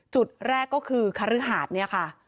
จุดแรกก็คือคฤหาสเนี่ยค่ะ